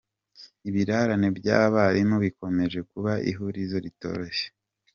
Ibirarane by’abarimu bikomeje kuba ihurizo ritoroshye